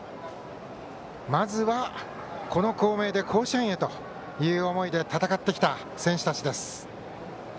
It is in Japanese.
まずは、この校名で甲子園へという思いで戦ってきた選手たちです。